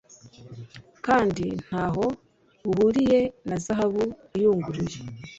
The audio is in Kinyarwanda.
kandi nta ho buhuriye na zahabu iyunguruye